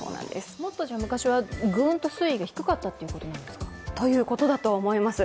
もっと昔はぐーんと水位が低かったということですか？ということだと思います。